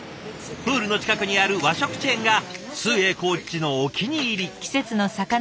プールの近くにある和食チェーンが崇英コーチのお気に入り。